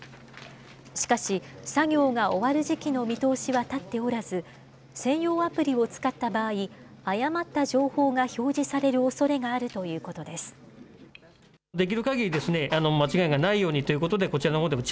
しかし、作業が終わる時期の見通しは立っておらず、専用アプリを使った場合、誤った情報が表示されるおそれがあるということです。